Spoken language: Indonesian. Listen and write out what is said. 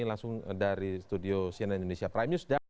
langsung dari studio cnn indonesia prime news